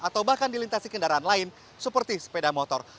atau bahkan dilintasi kendaraan lain seperti sepeda motor